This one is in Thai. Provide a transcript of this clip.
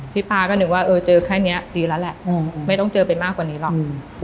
ป้าก็นึกว่าเจอแค่นี้ดีแล้วแหละไม่ต้องเจอไปมากกว่านี้หรอก